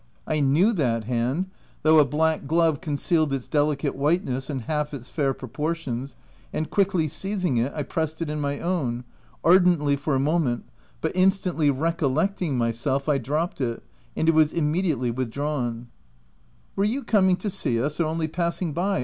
I knew that hand, though a black glove concealed its deli cate whiteness and half its fair proportions, and quickly seizing it, I pressed it in my own — ar dently for a moment, but instantly recollecting myself, I dropped it, and it was immediately withdrawn. VOL. III. P 314 THE TENANT " Were you coming to see us, or only pass ing by?"